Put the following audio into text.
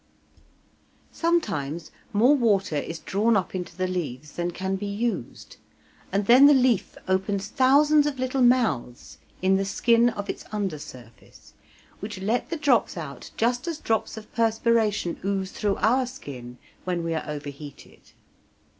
Sometimes more water is drawn up into the leaves than can be used, and then the leaf opens thousands of little mouths in the skin of its under surface, which let the drops out just as drops of perspiration ooze through our skin when we are overheated.